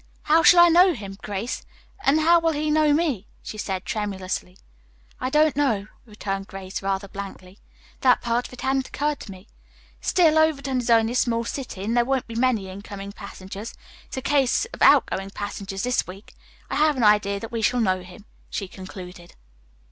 "How shall I know him, Grace, and how will he know me?" she said tremulously. "I don't know," returned Grace rather blankly. "That part of it hadn't occurred to me. Still, Overton is only a small city, and there won't be many incoming passengers. It's a case of outgoing passengers this week. I have an idea that we shall know him," she concluded.